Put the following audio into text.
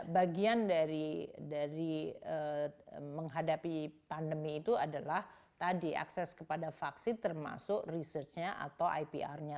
bagian dari menghadapi pandemi itu adalah tadi akses kepada vaksin termasuk research nya atau ipr nya